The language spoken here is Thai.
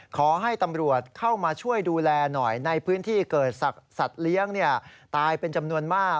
ขอให้ตำรวจเข้ามาช่วยดูแลหน่อยในพื้นที่เกิดสัตว์เลี้ยงตายเป็นจำนวนมาก